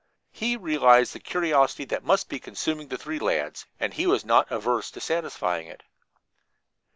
He realized the curiosity that must be consuming the three lads, and he was not averse to satisfying it.